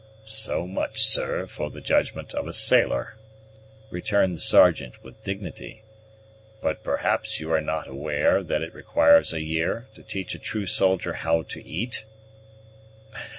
"So much, sir, for the judgment of a sailor," returned the Sergeant with dignity; "but perhaps you are not aware that it requires a year to teach a true soldier how to eat?"